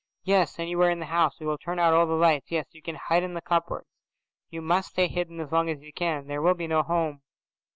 "Yes, anywhere in the house. We will turn out all the lights. Yes, you can hide in the cupboards. You must stay hidden as long as you can. There will be no home."